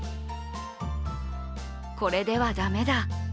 これでは駄目だ。